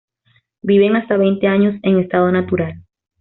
Viven hasta veinte años en estado natural.